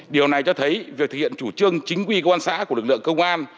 điều này cho thấy việc thực hiện chủ trương chính quy quan xã của lực lượng công an